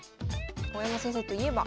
大山先生といえば。